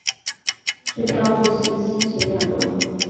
最高位是西十两六。